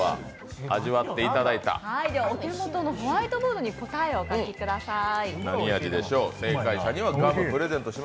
お手元のホワイトボードに答えをお書きください。